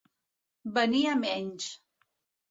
Venir a menys.